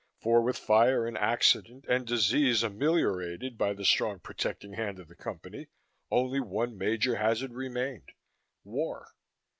For with fire and accident and disease ameliorated by the strong protecting hand of the Company, only one major hazard remained war.